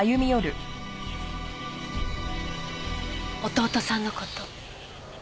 弟さんの事。